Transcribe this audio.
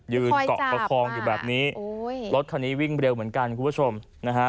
ยืนเกาะประคองอยู่แบบนี้โอ้ยรถคันนี้วิ่งเร็วเหมือนกันคุณผู้ชมนะฮะ